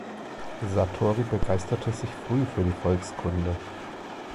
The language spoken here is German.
Sartori begeisterte sich früh für die Volkskunde.